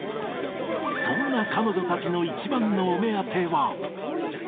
そんな彼女たちの一番のお目当ては。